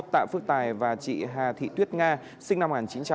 tạ phước tài và chị hà thị tuyết nga sinh năm một nghìn chín trăm tám mươi